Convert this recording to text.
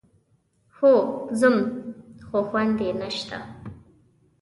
هو ځم، خو خوند يې نشته.